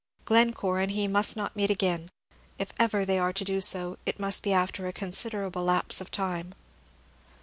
Glencore and he must not meet again; if ever they are to do so, it must be after a considerable lapse of time."